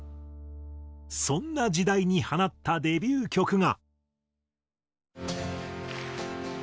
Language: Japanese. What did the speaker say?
そんな時代に放ったデビュー曲が。